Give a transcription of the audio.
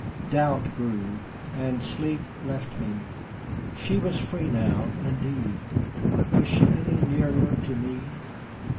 Doubt grew, and sleep left me. She was free now, indeed, but was she any nearer to me?